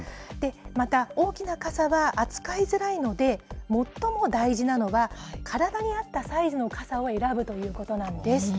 また大きな傘は扱いづらいので、最も大事なのは、体に合ったサイズの傘を選ぶということなんです。